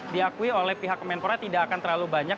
diakui oleh pihak kementerian pemuda tidak akan terlalu banyak